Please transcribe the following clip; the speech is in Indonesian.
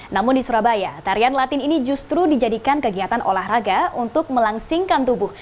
namun di surabaya tarian latin ini justru dijadikan kegiatan olahraga untuk melangsingkan tubuh